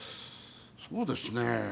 そうですね